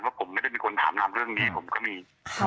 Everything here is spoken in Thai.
ผมไม่ได้เป็นคนถามนามเรื่องนี้ผมก็มี